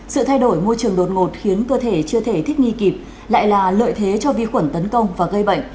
sự thay đổi môi trường đột ngột khiến cơ thể chưa thể thích nghi kịp lại là lợi thế cho vi khuẩn tấn công và gây bệnh